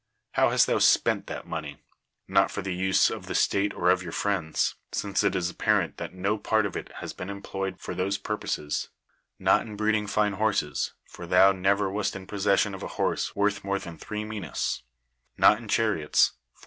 IIow hast thou spent that money? Not lor the use of the state or of your friends; since it is apparent that no part of it has been em])loyed for those purposes; not in breeding fine horses, for thou never wast in possession of a horse worth more than threes minas; not in chariots, for.